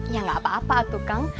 ya enggak apa apa atu kang